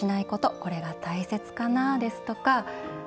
これが大切かなですとか。